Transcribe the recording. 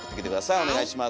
お願いします。